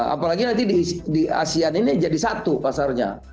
apalagi nanti di asean ini jadi satu pasarnya